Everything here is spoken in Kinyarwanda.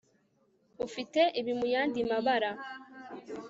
ufite ibi muyandi mabara